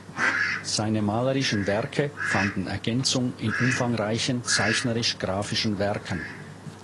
Seine malerischen Werke fanden Ergänzung in umfangreichen zeichnerisch-graphischen Werken.